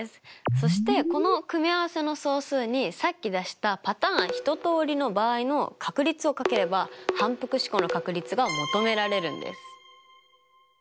そしてこの組み合わせの総数にさっき出したパターン１通りの場合の確率を掛ければ反復試行の確率が求められるんです。